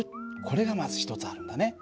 これがまず１つあるんだね。